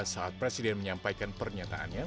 saat presiden menyampaikan pernyataannya